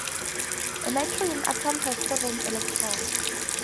A nitrogen atom has seven electrons.